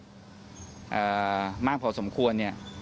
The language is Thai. มากพอสมควรเนี่ย